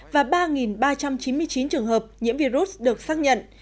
và ba ba trăm chín mươi chín trường hợp nhiễm virus được xác nhận